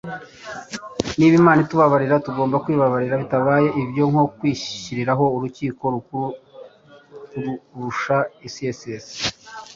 niba imana itubabariye tugomba kwibabarira bitabaye ibyo nko kwishyiriraho urukiko rukuru kumurusha - c s lewis